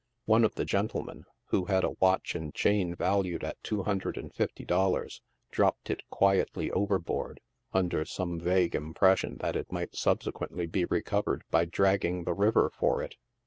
One of the gentlemen, who had a watch and chain valued at two hundred and fifty dollars, dropped it quietly overboard, under some vague impression that it might subsequently be recovered by dragging the river for it